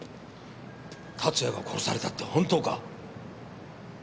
龍哉が殺されたって本当か？